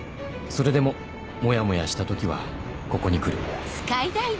それでもモヤモヤした時はここに来る